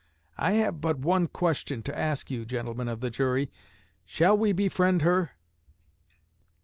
I have but one question to ask you, gentlemen of the jury. Shall we befriend her?"